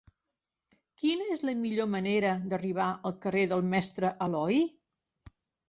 Quina és la millor manera d'arribar al carrer del Mestre Aloi?